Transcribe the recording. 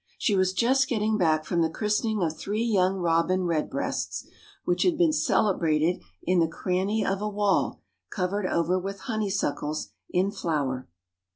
She was just getting back from the christening of three young robin redbreasts, which had been celebrated in the cranny of a wall covered over with honey suckles in flower.